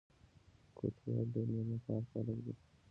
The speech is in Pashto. کوټوال ډېر مېلمه پال خلک دي.